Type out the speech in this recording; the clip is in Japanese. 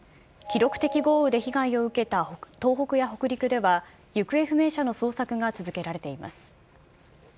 記録的豪雨で被害を受けた東北や北陸では、行方不明者の捜索が続けられています。